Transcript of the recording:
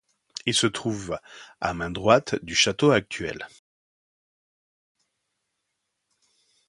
Il se trouve à main droite du château actuel.